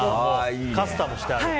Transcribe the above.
カスタムしてある？